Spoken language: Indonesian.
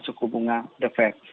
masuk hubungan defek